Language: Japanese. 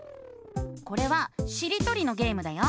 これはしりとりのゲームだよ。